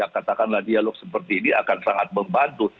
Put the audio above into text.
katakanlah dialog seperti ini akan sangat membantu